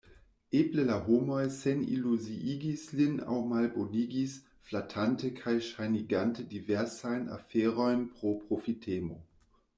Eble la homoj seniluziigis lin aŭ malbonigis, flatante kaj ŝajnigante diversajn aferojn pro profitemo.